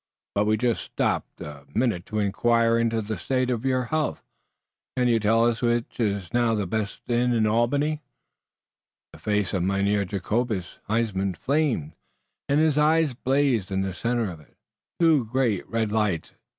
But we just stopped a minute to inquire into the state of your health. Can you tell us which is now the best inn in Albany?" The face of Mynheer Jacobus Huysman flamed, and his eyes blazed in the center of it, two great red lights.